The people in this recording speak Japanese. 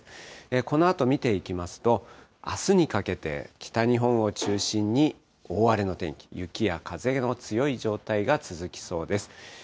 このあと見ていきますと、あすにかけて北日本を中心に大荒れの天気、雪や風の強い状態が続きそうです。